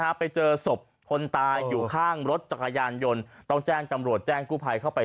ไปเจอศพคนตายอยู่ข้างรถจักรยานยนต์ต้องแจ้งตำรวจแจ้งกู้ภัยเข้าไป